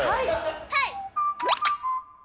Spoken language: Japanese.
はい！